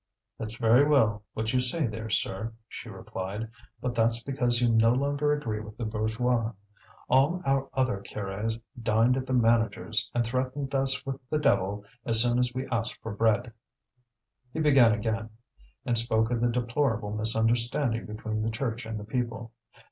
"That's very well, what you say there, sir," she replied, "but that's because you no longer agree with the bourgeois. All our other curés dined at the manager's, and threatened us with the devil as soon as we asked for bread." He began again, and spoke of the deplorable misunderstanding between the Church and the people.